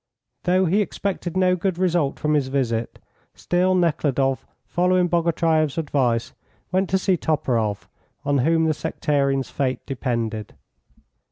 Though he expected no good result from his visit, still Nekhludoff, following Bogatyreff's advice, went to see Toporoff, on whom the sectarians' fate depended.